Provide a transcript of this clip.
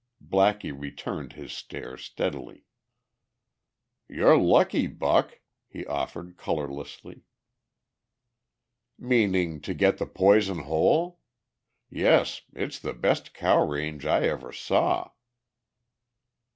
Blackie returned his stare steadily. "You're lucky, Buck," he offered colourlessly. "Meaning to get the Poison Hole? Yes. It's the best cow range I ever saw."